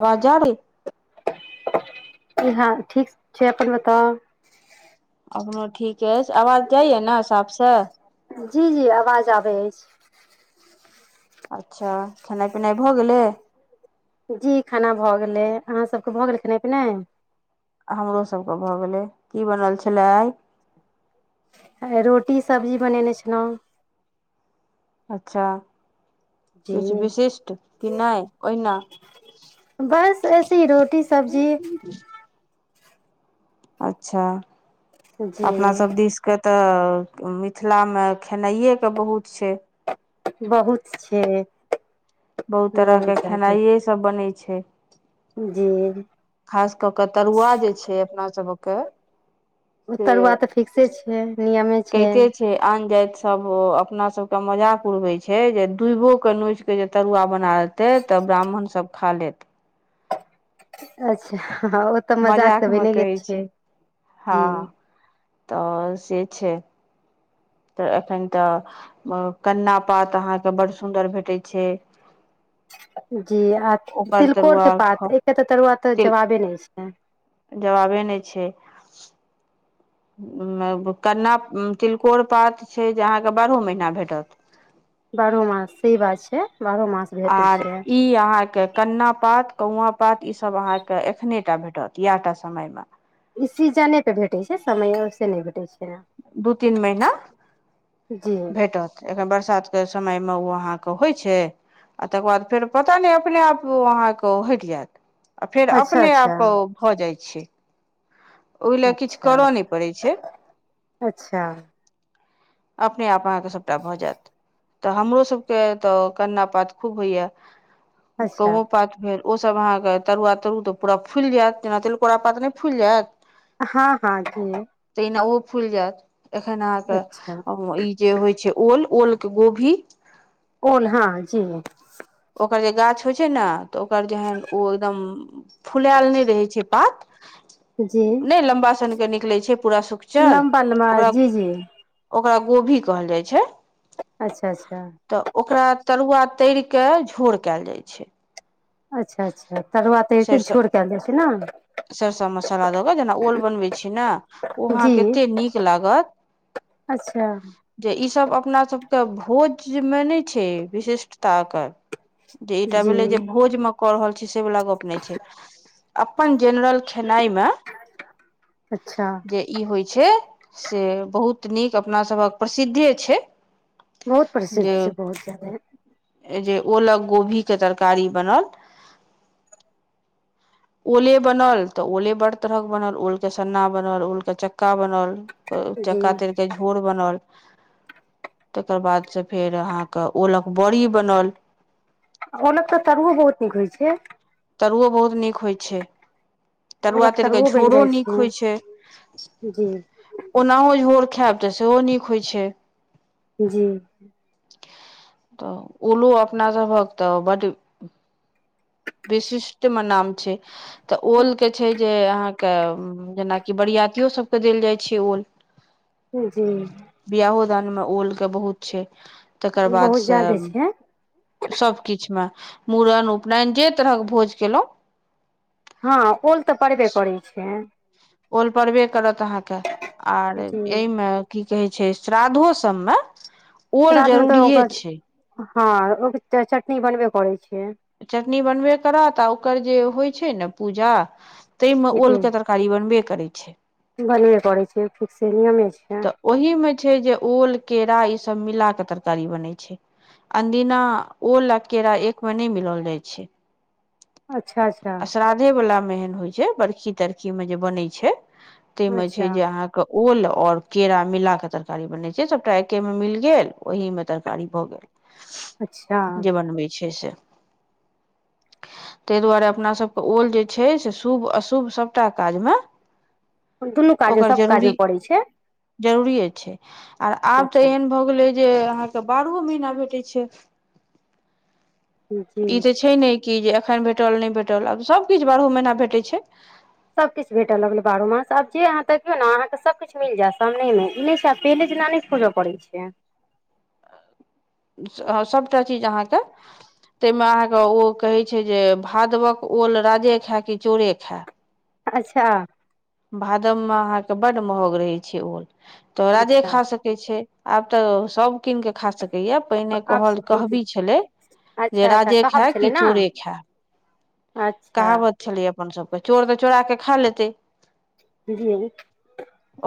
आवाज जा रही इ हँ ठीक छै अपन बताउ अपनो ठीक अछि आवाज जाइए ने साफसँ जी जी आवाज आबै अछि अच्छा खेनाइ पिनाइ भऽ गेलै जी खाना भऽ गेलै अहाँ सभके भऽ गेलै खेनाइ पिनाइ हमरो सभके भऽ गेलै की बनल छलय रोटी सबजी बनेने छलहुँ अच्छा जी किछु विशिष्ट कि नहि ओहिना बस ऐसे रोटी सब्जी अच्छा जी अपना सब दिसके तऽ मिथिलामे खेनाइएके बहुत छै बहुत छै बहुत तरहके खेनाइएसभ बनैत छै जी खास कऽ कऽ तरुआ जे छै अपनासभके उ तरुआ तऽ फिक्से छै नियमे छै कहिते आन जाइत सब अपना सब के मजाक उड़वे छै जे दूबो के नोच के जे तरुआ बना तै तब ब्राह्मण सभ खा लेत अच्छा हँ ओ तऽ मजाक तऽ बने गेल छै हँ जी तऽ से छै तऽ एखन तऽ कन्ना पात अहाँके बड् सुन्दर भेटैत छै [unintelligible] जी आ ओकर तिलकोर तरुआ के पात ख एके तऽ तरुआ तऽ तिल जवाबे नहि छै जवाबे नहि छै कन्ना तिलकोर पात छै जे अहाँके बारहो महीना भेटत बारहो मास से बात छै बारहो मास भेटै आर छै ई अहाँके कन्ना पात कौआ पात ईसभ अहाँके एखने टा भेटत इएह टा समयमे ई सीजने परे भेटे छै समय से नहि भेटे छै ने दू तीन महिना जी भेटत एखन बरसा बरसात के समय मे ओ अहाँ के होइ छै आ तकर बाद फेर पता नहि अपने आप अहाँ के हटि जायत आ फेर अच्छा अपने अच्छा आप भऽ जाइ छै ओहि ले किछु अच्छा कर नहि पड़ै छै अच्छा अपने आप अहाँ के सभटा भऽ जायत तऽ हमरो सबके तऽ कन्ना पात खूब होइया अच्छा कौओ पात भेल ओ सभ अहाँके तरुआ तरु तऽ पूरा फुलि जायत जेना तिलकोरा पात नहि फुलि जायत हँ हँ जी तहिना ओ फुलि जायत एखन अहाँ अच्छा के ई जे होइ छै ओल ओल के गोभी कोन हँ जी ओकर जे गाछ होइ छै ने तऽ ओकर जेहन ओ एकदम फुलायल नहि रहै छै पात जी [unintelligible] नहि लम्बा सन के निकलै छै पूरा सुक्चर लम्बा लम्बा जी जी ओकरा गोभी कहल जाय छै अच्छा अच्छा तऽ ओकरा तरूआ तर के झोर कैयल जाइ छै अच्छा अच्छा तरुआ तर के सरिसो छोर कल जाइ छै ने सरिसो मसाला दऽ कऽ जेना ओल बनबै ओ अहा जी के एतै निक लागत अच्छा जे ई सब अपना सब के भोज मे नहि छै विशिष्टता ओकर जे ईटा जी भेलै जे भोज में कऽ रहल छी से वाला गप नहि छै अपन जेनरल खेनाई मे अच्छा जे ई होय छै से बहुत नीक अपना सभक प्रसिद्धे छै बहुत प्रसिद्ध छै बहुत जगह ऐ जे ओलक गोभी के तरकारी बनल ओले बनल तऽ ओले बड़ तरहक बनल ओल के सन्ना बनल ओल के चक्का बनल को जी चक्का तर कऽ झोर बनल तकर बाद सँ फेर अहाँ के ओलक बड़ी बनल ओलक तऽ तरुओ बहुत नीक होइ छै तरुओ बहुत नीक होइ छै तरुआ ओलक तर के तरुओ बनि झोरो जाइ नीक होइ छै जी ओ नाहो झोर खायब तऽ सेहो नीक होय छै जी तऽ ओलो अपना सभक तऽ बड़ विशिष्ट मे नाम छै तऽ ओल के छै जे अहाँ के जेनाकि बरियातियो सबके देल जाइ छै ओल जी दन में ओल के बहुत छै तकर बाद बहुत से ज्यादे छै सब किछ में मुुंडन उपनयन जे तरहके भोज केलै हँ ओल तऽ पड़बे करैत छै ओल पड़बे करत अहाँ के आर जी एहिमे की कहै छै श्राद्धो सब में ओल श्राद्ध मे तऽ जरूरीेए ओकर छै हँ चटनी बनबे करै छै चटनी बनबे करत आ ओकर जे होइ छै ने पूजा तहिमे ओल के तरकारी बनबे करै छै बने पड़ै छै ठीक से नियमे छै तऽ ओहि में छै जे ओल केरा ई सभ सब मिला के तरकारी बने छै अनदिना ओल केरा एक में न मिलल जाय छै अच्छा अच्छा [inaudible] अ श्राद्धे वला मे एहन होइ छै बड़खी तरखी में जे बनै छै ताहिमे छै अच्छा जे अहाँके ओल ओर केरा मिला के तरकारी बने छै सबटा एके मे मिल गेल ओहि मे तरकारी भए अच्छा गेल जे बनबै छै से तऽ दुआरे अपना सभके ओल जे छै से शुभ अशुभ सभटा काजमे दुनू काजमे सभ काजमे पड़ैत छै जरूरिे छै आब तऽ अच्छा एहन भए गेले जे अहाँके बारहो महीना भेटै छै जी ई तऽ छै ने कि जे एखन भेटल नहि भेटल आब सभकिछु बारहो महीना भेटैत छै सभकिछु भेटय लगलै बारहो मास आब जे अहाँ त देखियौ ने अहाँके सभकिछु मिल जायत सामने ई मे ऐना नय छोरअ परय छै हुँ सभटा चीज अहाँकेँ ताहिमे अहाँके ओ कहैत छै जे भादवक ओल राजे खाय कि चोरे खाय अच्छा भादव मे अहाँके बड महग रहै छै ओल तऽ राजे अच्छा खा सकैत छै आब तऽ सभ कीन कऽ खा सकैए पहिने कहल आब कहबी छलै जे अच्छा अच्छा राजे कहब खाय कि छलै ने चोरे खाय अच्छा कहावत छलै अपन सभके चोर तऽ चोराक खाय लेतै कीदी हब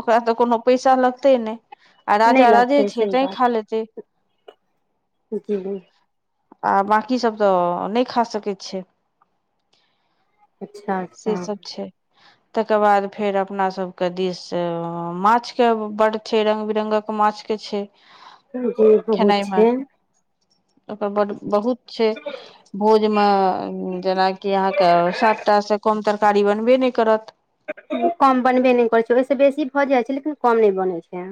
ओकरा तऽ कोनो पैसा लगतै ने आ नहि राजा राजे लगतै छै तै खा लेतै हुँ हुम् आ बाँकीसभ तऽ नहि खा सकैत छै अच्छा से अच्छा सब छै तकर बाद फेर अपना सबके दिस माछ के बड छै रंग बिरंगक माछके छै जे भ ब खेनाइ मे छै ओकर बहुत छै भोजमे जेनाकि अहाँके सातटा से कम तरकारी बनबे ने करत कम बनबे ने करैत छै ओहिसँ बेसी भऽ जाइत छै लेकिन कम नहि बनैत छै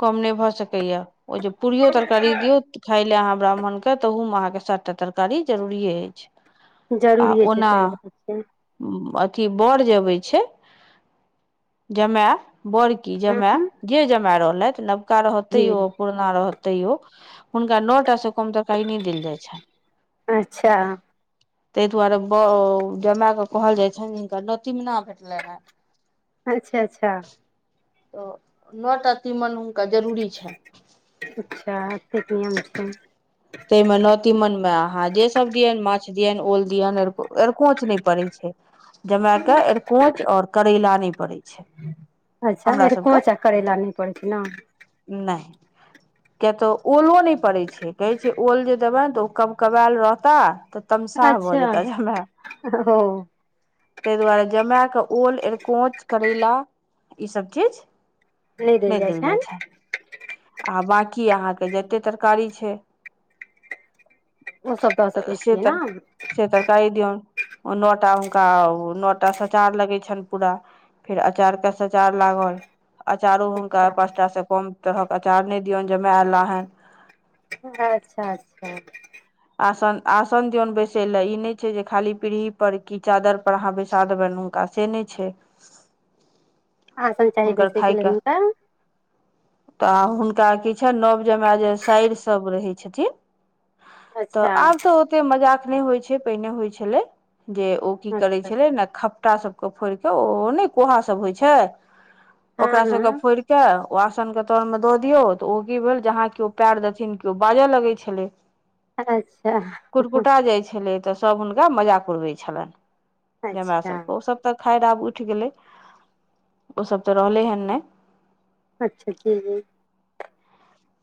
कम ने भऽ सकैया ओ जे पूरियो तरकारी दियौ खाय लए अहाँ ब्राह्मण के ते मे अहाँ के सातटा तरकारी जरूरे अछि आ जरूरिए छै ओना सही बात छै कि बर जे अबै छै जमायब बड़की हूँ जमााय हूँ, जे जमा रहले नवका रहते जी तैयो पुरना तैयो हुनका नओटा स कम तरकारी ने देल जाइ छै अच्छा ताहि दुआरे ब जमााय कऽ कहल जाइ छनि हिनका नोतिमना भेटले हँ अच्छा अच्छा तऽ नओ टा तीमन हुनका जरूरी छै अच्छा एतेक नियम छै ताहिमे नओ नतिमनमे अहाँ जे सब दिये माछ दियन ओलदियन अरकोंच नहि पड़ै छै जमाायके अरकोच आ करैला नहि पड़ै छै अच्छा हमरा सबके आरकोच आ करैला नहि पड़ै छै [inaudible] कियाक तऽ ओलो नहि पड़ैत छै कहै छै ओल जे देबै तऽ ओ कबकबायल रहताह तमसाह भ अच्छा जेता जमाय ओ तेय दुयारे जमाय के ओल कोच करैला ई सब चीज नहि देल जाय छै आ बकी की अहांके जते तरकारी छै ओसभ दऽ सकै स छियै ने तर स तरकारी दिओन नौटा हुनका नओ टा सचार लगै छनि पूरा फेर अचार के सचार लागल अचारो हुनका अच्छा पाँचटासँ कम तरहक अँचार नहि दियौनि जमााय अयला हन अच्छा अच्छा आसन आसन दियौन बैसे ले इ ने छै जे खाली पीढ़ी पर की चादर पर अहाँ बैसा देबनि हुनका आ से नहि छै आसन चाही हुनकर बैसयके खाय लेल कऽ हुनका तऽ हुनका की छ नव जमााय जे साइर सब रहै छथिन तऽ अच्छा आब तऽ ओतेक मजाक नहि होइत छै पहिने होइत छलै जे ओ की करै अच्छा छलै ने खपटासभके फोड़ि कऽ ओ नहि कोहासभ होइत छै हँ ओकरा हँ सबके फोड़ि क ओ आसन के तर मे दऽ दियौ तऽ ओ की भेल जहाँ केओ पयर देथिन केओ बाजय लगै छले अच्छा कुरकुटा जाइ छलै तऽ सब हुनका मजाक उरबै छलनि जमाय अच्छा सबके ओ सब तऽ खैर आब उठि गेलै ओसभ तऽ रहलै हन नहि अच्छा जी जी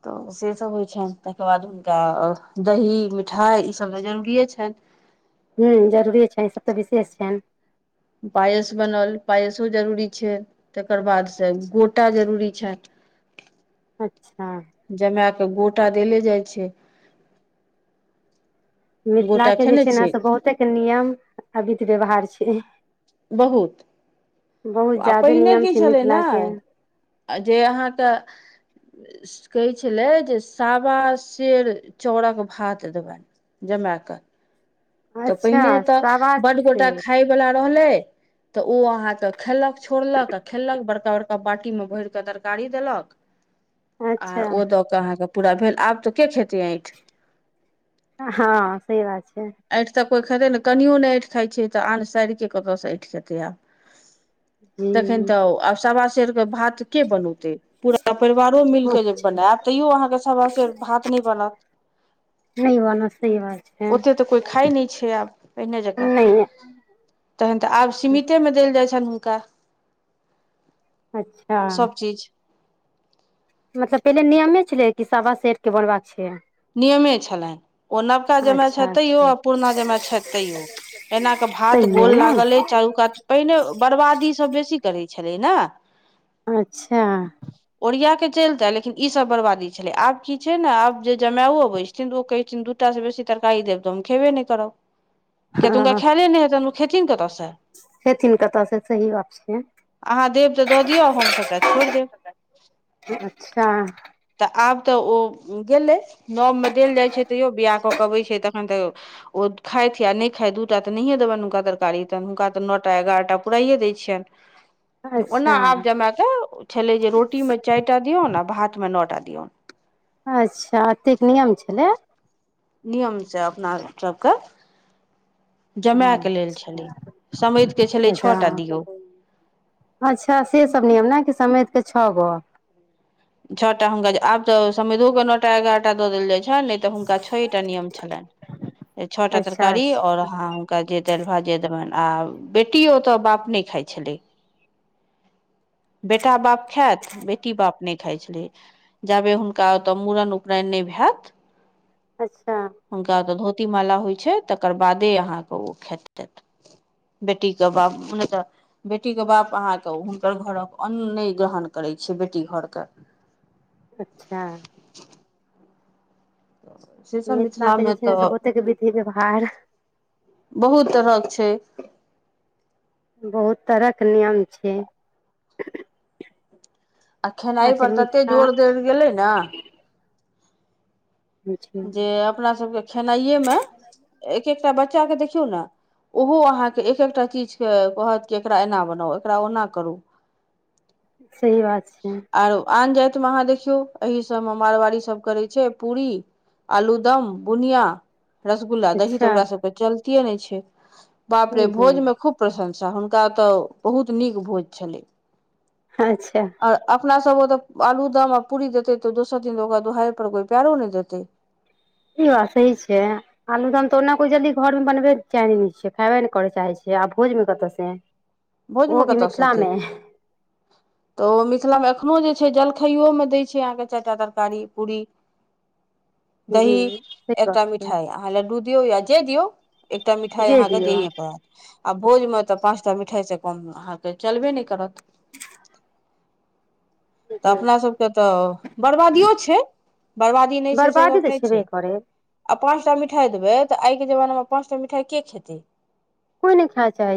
तऽ सेसभ होइ छनि ताहिके बाद हुनका दही मिठाई ईसभ तऽ जरूरिे छनि [inaudible] हू जरूरीए छ ई सभ तऽ विशेष छ पायस बनल पायसो जरूरी छै तकर बादसँ गोटा जरूरी छनि [inaudible] अच्छा जमाए कऽ गोटा देले जाइ छै गोटा मिथिलाके जे खेने छै ने छियै से बहुते नियम आ विधि व्यवहार छै बहुत बहुत आ ज्यादे पहिने नियम की छै छलै मिथिलाके ने जे अहाँके कहै छलै जे सावा सेर चाउड़क भात देबनि जमाए कऽ तऽ अच्छा पहिने तऽ शाबाश बडड गोटा सेठ खााय बला रहलै तऽ ओ अहाँके खेलक छोड़लक आ खेलक बड़का बड़का बाटी मे भर के तरकारी देलक आ अच्छा ओ दऽ के अहाँके पूरा भेल आब तऽ के खेती ऐठि हँ स बात छै अठि तऽ कोइ खेतै ने कनिओ नहि अठि खाइ छै तऽ आन्न सड़ि कऽ कतयसँ ऐ जेतै आब जी तखन तऽ आ सवा सेर के भात के बनौत पूरा परिवारो मिलके जे अच्छा बनायब तैयो अहाँके सवा सेर भात नहि बनत नहि बनत सहि बात छै ओते तऽ कोइ खाइ नहि छै आब पहिने जेकाँ नहि तखन तऽ आब सीमिते मे देल जाइ छनि हुनका अच्छा सभ चीज मतलब पहिले नियमे छलै कि सावा सेर के बोनबाक छै नियमे छलनि ओ नवका जमााय छथि अच्छा तैयो अच्छा आ पुरना जमााय छथि तैयो एना कऽ भात तैयो गोल ने लागल अ चारू कात पहिने बर्बादी सभ बेसी करैत छलै ने अच्छा चलतै लेकिन ई सब बर्बादी छलै आब की छै ने आब जे जमाओ अबै छथिन तऽ ओ कहै छथिन दू टा से बेसी तरकारी देब तऽ हम खेबे नहि करब के तुनका खेले नहि है तन खेथिन कत सँ खेथिन कतऽ सँ सही बात छै अहाँ देब तऽ दऽ दियौ हमसभटा छोड़ि देब अच्छा तऽ आब तऽ ओ गेलै नव मे देल जाय छै तैयो बियाह कऽ के अबै छै तखन तऽ ओ खाइत आ नहि खात दू टा तऽ नहिये देबनि हुनका तरकारी तन हुनका तऽ नओ टा एगारह टा पुराइए दै छियन ओना अच्छा आब जमा तऽ छलै जे रोटी मे चारि टा दियऔ ने भात मे नओ टा दियऔ दिऔन अच्छा एतेक नियम छलै नियम छै अपना सभके हँ जमायके लेल छलै समध कऽ छलै छः अच्छा टा दियौ अच्छा सेसभ नियम ने कि समेघ कऽ छओ गो छओटा हुनका आब तऽ समधो के न टा एगारहटा द देल जाइ छै [unintelligible] हुनक छ एटा नियम छलैन छ टा अच्छा तरकारी अच्छा ओर आहा हुनका जे दालि भात जे देबनि आ बेटियो तऽ बाप नहि खाइ छलै बेटा बाप खायत बेटी बाप नहि खाइ छली जाबे हुनका ओतय मूड़न उपनयन नहि भैत अच्छा ती माला होइ छैय तकर बादे अहाँके ओ खेतै बेटी के बाप नहिने तऽ बेटीक के बाप अहाँके हुनकर घरक अन्न नहि ग्रहण कर दय छै बेटी घर केँ अच्छा से सब मिथिला के जे मिथिलामे छै ने से तऽ बहुतेक विधि व्यवहार बहुत तरहक छै बहुत तरह के नियम छै आ खेनाइ आखिर पर‌ ततेक मिथिला जोर देल गेलै ने जे अपनासभके खेनाइएमे एक एकटा बच्चाकेँ देखियौ ने ओहो अहाँके एक एकटा चीजके कहत कि एकरा एना बनाउ एकरा ओना करू सही बात छै आर आन जातिमे अहाँ देखियौ एह सभमे मारबाड़ीसभ करै छै पूरी आलू दम बुनिया रसगुल्ला दही अच्छा तऽ ओकरा सभके चलते नहि छै बाप रे जी भोजमे खूब प्रशंसा हुनका ओतय बहुत नीक भोज छलै अच्छा अपना सब ओ तऽ आलूदम आ पूी देते तऽ दोसर दिन ओरा दुहार पर कोई पैरो नइ देते ई बात सही छै आलू दाम त ओना कोई जल्दी घर मे बनबे चाही ने छ खायबे ने करे चाहे छी य भोजमे कत से भोज में ओहो भी कत स एतय? मिथिलामे मिथिलामे एखनो जे छैय जलखाइयोमे दैय छैय अहाँके चारि टा तरकारी पूरी जी दही से गप एकटा मिठाई छै अहाँ लड्डू दियौ या जे दियौ। एकटा मिठाई जे अहाँके दियौ दैेयही पड़त आ भोज मे तऽ पाँचटा मिठाई सब अपन अहाँके चलबे नहि करत। तऽ अपनासभके तऽ बरबादियो छैय। बर्बादी नहि छैय से बर्बादी गप तऽ नहि छेबे छैय। करै पाँचटा मिठाइ देबै तऽ आइके जमानामे पाँच टा मिठाइ के खेतै? कोइ नहि खाया चाह छै